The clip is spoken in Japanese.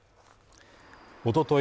おととい